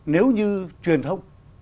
nếu như truyền thông